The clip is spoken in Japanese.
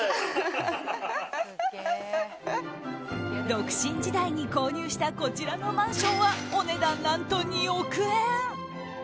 独身時代に購入したこちらのマンションはお値段、何と２億円。